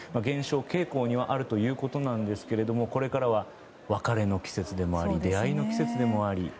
減少傾向にはあるということなんですけれどもこれからは別れの季節でもあり出会いの季節でもあり。